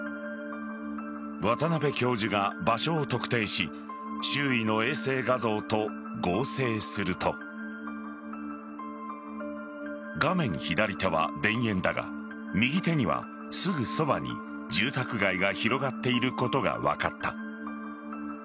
渡邉教授が場所を特定し周囲の衛星画像と合成すると画面左手は田園だが右手にはすぐそばに住宅街が広がっていることが分かった。